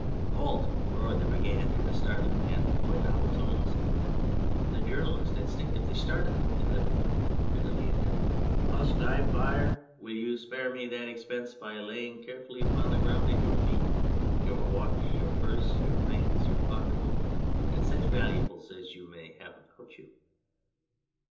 " Halt !" roared the Brigand in startling and quite novel tones. The journalist instinctively started, and the Brigand bitterly added :" Must I fire, or will you spare me that expense by laying carefully upon the ground at your feet your watch, your purse, your rings, your pocket book, and such valuables as you may have about you